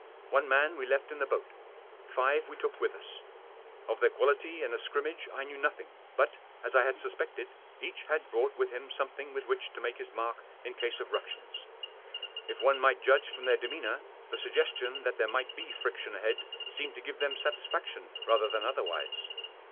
One man we left in the boat ; five we took with us. Of their quality in a scrimmage I knew nothing; but, as I had suspected, each had brought with him something with which to make his mark in case of ructions. If one might judge from their demeanour the suggestion that there might be friction ahead seemed to give them satisfaction rather than otherwise.